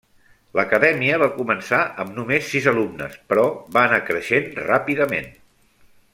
L'acadèmia va començar amb només sis alumnes, però va anar creixent ràpidament.